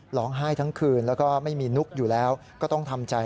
เพราะว่าเป็นแฟนคนแรกที่คบกันมานานมาก